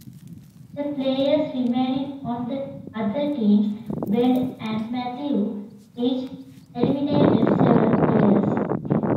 The players remaining on the other teams, Brent and Matthew each eliminated several players.